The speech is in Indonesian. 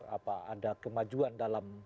apa ada kemajuan dalam